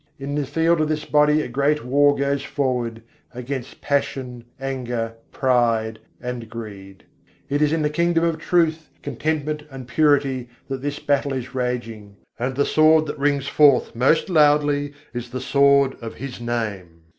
In the field of this body a great war goes forward, against passion, anger, pride, and greed: It is in the kingdom of truth, contentment and purity, that this battle is raging; and the sword that rings forth most loudly is the sword of His Name.